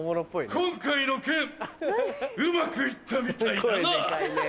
今回の件うまく行ったみたいだな！